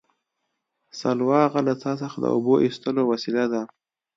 سلواغه له څا څخه د اوبو ایستلو وسیله ده